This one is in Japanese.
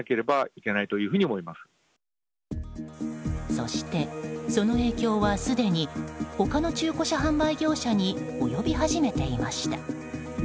そして、その影響はすでに他の中古車販売業者に及び始めていました。